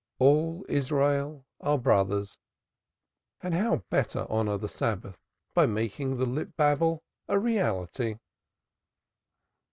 "All Israel are brothers," and how better honor the Sabbath than by making the lip babble a reality?